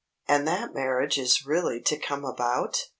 "And that marriage is really to come about!"